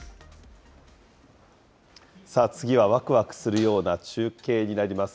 さあ次は、わくわくするような中継になります。